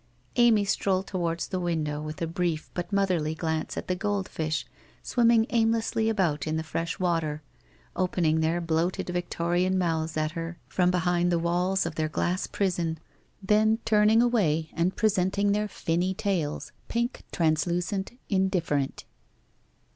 Amy strolled towards the window, with a brief but motherly glance at the goldfish swimming aimlessly about in the fresh water, opening their bloated Victorian mouths at her from be hind the walls of their glass prison, then turning away, and presenting their finny tails, pink, translucent, indif ferent.